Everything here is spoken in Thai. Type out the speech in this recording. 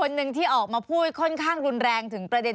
สนุนโดยน้ำดื่มสิง